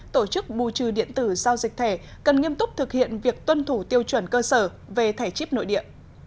tổ chức bù trừ điện tử giao dịch thẻ cần nghiêm túc thực hiện việc tuân thủ tiêu chuẩn cơ sở về thẻ chip nội địa